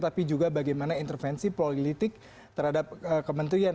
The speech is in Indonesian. tapi juga bagaimana intervensi politik terhadap kementerian